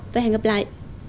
và hẹn gặp lại